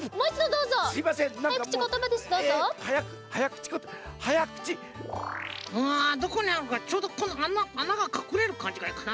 うんどこにはろうかちょうどこのあなあながかくれるかんじがいいかな。